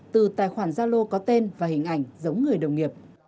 từ tài khoản zalo có tên và hình ảnh giống người đồng nghiệp